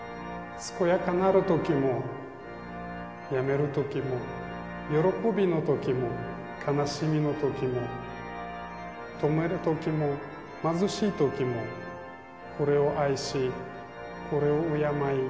健やかなるときも病めるときも喜びのときも悲しみのときも富めるときも貧しいときもこれを愛しこれを敬い